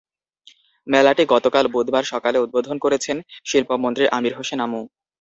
মেলাটি গতকাল বুধবার সকালে উদ্বোধন করেছেন শিল্পমন্ত্রী আমির হোসেন আমু।